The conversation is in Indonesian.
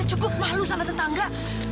cukup malu sama tetangga